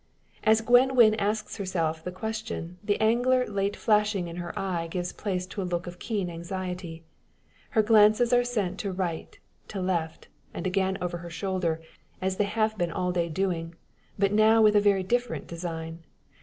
As Gwen Wynn asks herself the question, the anger late flashing in her eyes gives place to a look of keen anxiety. Her glances are sent to right, to left, and again over her shoulder, as they have been all day doing, but now with very different design.